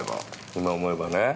今思えばね。